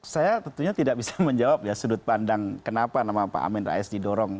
saya tentunya tidak bisa menjawab ya sudut pandang kenapa nama pak amin rais didorong